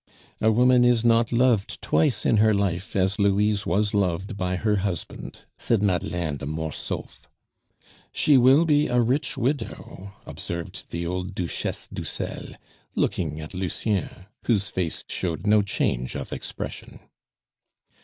"A women is not loved twice in her life as Louise was loved by her husband," said Madeleine de Mortsauf. "She will be a rich widow," observed the old Duchesse d'Uxelles, looking at Lucien, whose face showed no change of expression.